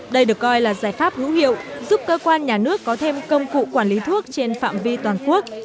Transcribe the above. đây được coi là giải pháp hữu hiệu giúp cơ quan nhà nước có thêm công cụ quản lý thuốc trên phạm vi toàn quốc